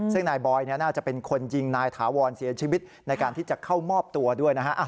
ซึ่งนายบอยน่าจะเป็นคนยิงนายถาวรเสียชีวิตในการที่จะเข้ามอบตัวด้วยนะฮะ